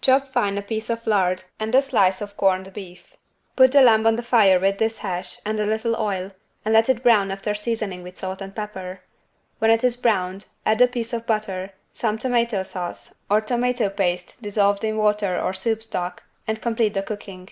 Chop fine a piece of lard and a slice of corned beef. Put the lamb on the fire with this hash and a little oil and let it brown after seasoning with salt and pepper. When it is browned add a piece of butter, some tomato sauce, or tomato paste dissolved in water or soup stock and complete the cooking.